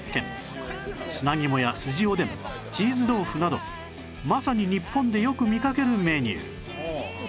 砂肝やすじおでんチーズ豆腐などまさに日本でよく見かけるメニュー